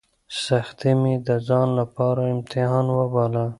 سختۍ مې د ځان لپاره امتحان وباله.